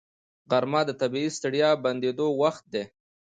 غرمه د طبیعي ستړیا بندېدو وخت دی